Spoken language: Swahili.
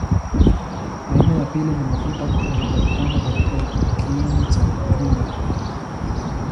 Aina ya pili ni mafuta yanapatikana katika kiini cha tunda.